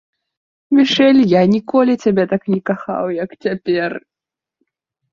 Мішэль, я ніколі цябе так не кахаў, як цяпер.